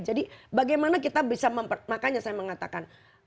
jadi bagaimana kita bisa mempermakannya saya mengatakan